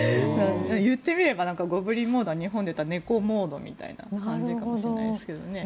言ってみればゴブリン・モードは日本でいう猫モードっていう感じかもしれないですね。